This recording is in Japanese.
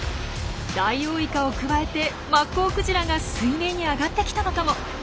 ダイオウイカをくわえてマッコウクジラが水面に上がってきたのかも。